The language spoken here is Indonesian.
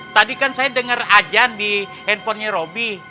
tadi kan saya denger ajan di handphonenya robby